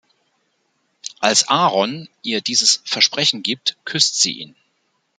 Als Aaron ihr dieses Versprechen gibt, küsst sie ihn.